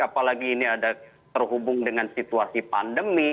apalagi ini ada terhubung dengan situasi pandemi